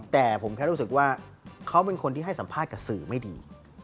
แต่ผมแค่รู้สึกว่าเขาเป็นคนที่ให้สัมภาษณ์กับสื่อไม่ดี